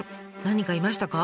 何かいましたか？